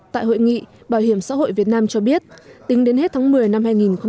tại hội nghị bảo hiểm xã hội việt nam cho biết tính đến hết tháng một mươi năm hai nghìn một mươi chín